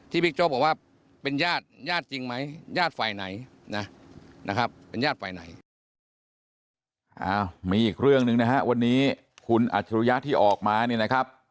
ที่บิ๊กโจ๊กบอกว่าเป็นญาติญาติจริงไหมญาติไฟไหนนะครับ